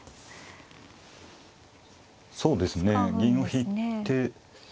そうですね銀を引いて。